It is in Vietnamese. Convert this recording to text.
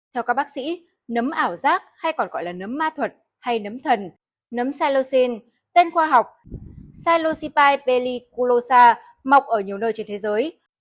theo các bác sĩ nấm ảo giác hay còn gọi là nấm ma thuật hay nấm thần nấm xyloxin tên khoa học xyloxipide pelliculosa mọc ở nhiều nơi trên thế giới